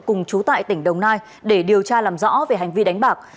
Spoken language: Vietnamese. cùng chú tại tỉnh đồng nai để điều tra làm rõ về hành vi đánh bạc